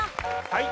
はい。